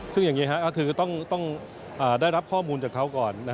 ซึ่งอย่างนี้ก็คือต้องได้รับข้อมูลจากเขาก่อน